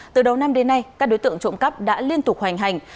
từ đầu năm đến nay các đối tượng trộm cắp đã liên tục hoành hành